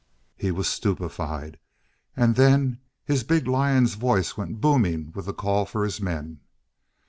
He was stupefied, and then his big lion's voice went booming with the call for his men.